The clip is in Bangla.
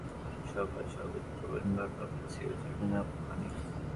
সিভিল সার্জন কার্যালয়ে আলোচনা সভায় সভাপতিত্ব করেন ভারপ্রাপ্ত সিভিল সার্জন আবু হানিফ।